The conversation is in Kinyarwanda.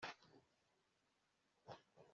Bene igihugu babonye icyo gikururuka kirereta